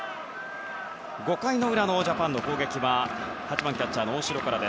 ５回裏のジャパンの攻撃は８番キャッチャー、大城から。